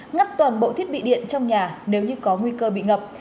ngắt toàn bộ thiết bị điện trong nhà nếu như có nguy cơ bị ngập